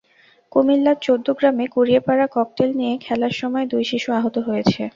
কুমিল্লার চৌদ্দগ্রামে কুড়িয়ে পাওয়া ককটেল নিয়ে খেলার সময় দুই শিশু আহত হয়েছে।